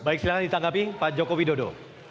baik silahkan ditanggapi pak joko widodo